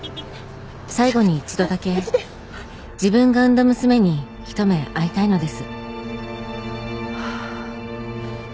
「最後に一度だけ自分が産んだ娘に一目会いたいのです」